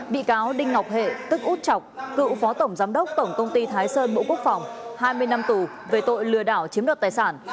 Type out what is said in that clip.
bị cáo đinh ngọc hệ tức út chọc cựu phó tổng giám đốc tổng công ty thái sơn bộ quốc phòng hai mươi năm tù về tội lừa đảo chiếm đoạt tài sản